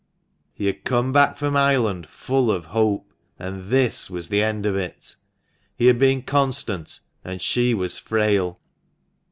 He had come back from Ireland full of hope, and this was the end of it ! He had been constant, and she was frail